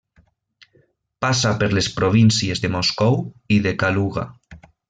Passa per les províncies de Moscou i de Kaluga.